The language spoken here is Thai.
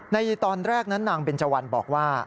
ในตอนแรกนั้นนางเบนเจวันบอกว่า